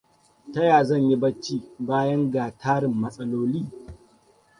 Ta ya zan yi bacci bayan ga tarin matsaloli?